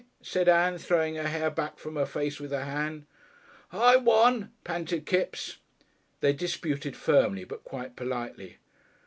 said Ann, throwing her hair back from her face with her hand. "I won," panted Kipps. They disputed firmly but quite politely.